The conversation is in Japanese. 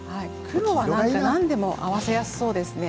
黒はなんでも合わせやすそうですね。